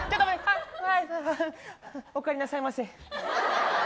お帰りなさいませ。